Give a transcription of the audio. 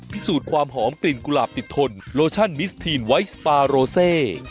พิสูจน์ความหอมกลิ่นกุหลาบติดทนโลชั่นมิสทีนไวท์สปาโรเซ